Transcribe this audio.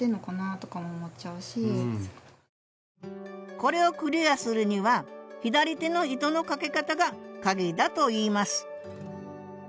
これをクリアするには左手の糸のかけ方がカギだといいます